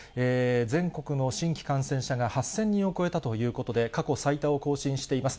全国の新規感染者が８０００人を超えたということで、過去最多を更新しています。